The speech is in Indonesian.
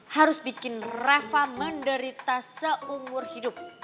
harus bikin rafa menderita seumur hidup